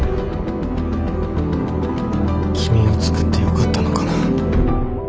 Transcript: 君を作ってよかったのかな。